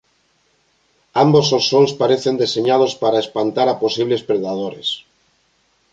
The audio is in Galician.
Ambos os sons parecen deseñados para espantar a posibles predadores.